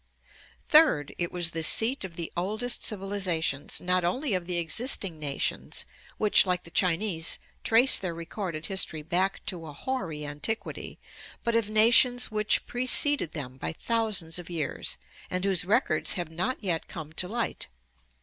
Third, it was the seat of the oldest civilizations, not only of the existing nations which, like the Chinese, trace their recorded history back to a hoary antiquity, but of nations which preceded them by thousands of years, and whose records have not yet come to light.